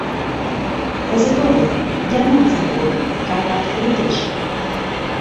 Кызыт огыл — герман сар годым, Карпат курыкеш.